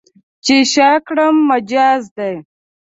چې شا کړم، مجاز دی.